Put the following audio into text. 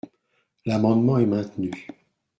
L’amendement est maintenu.